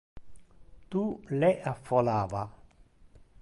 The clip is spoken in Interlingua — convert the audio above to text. Tu le affollava.